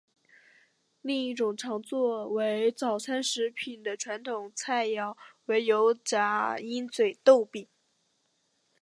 另一种常作为早餐食品的传统菜肴为油炸鹰嘴豆饼。